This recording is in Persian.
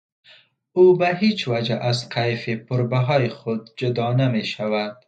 او به هیچ وجه از کیف پر بهای خود جدا نمیشود.